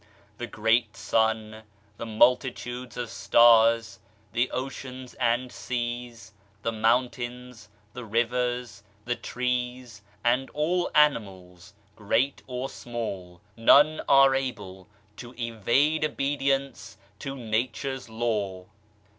The great sun, the multitudes of stars, the oceans and seas, the mountains, the rivers, the trees, and all animals, great or small none arc able to evade obedience to Nature's Law.